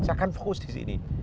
saya akan fokus di sini